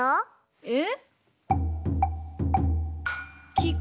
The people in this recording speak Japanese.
えっ？